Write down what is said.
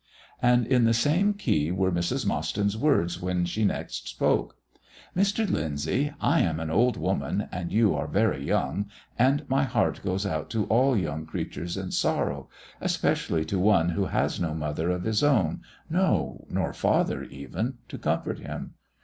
And in the same key were Mrs. Mostyn's words when she next spoke. "Mr. Lyndsay, I am an old woman and you are very young, and my heart goes out to all young creatures in sorrow, especially to one who has no mother of his own, no, nor father even, to comfort him.